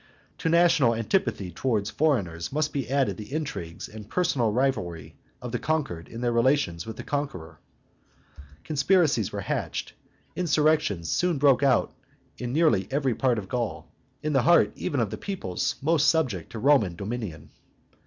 To national antipathy towards foreigners must be added the intrigues and personal rivalry of the conquered in their relations with the conqueror. Conspiracies were hatched, insurrections soon broke out in nearly every part of Gaul, in the heart even of the peoplets most subject to Roman dominion.